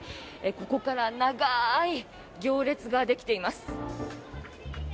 ここから長い行列ができています。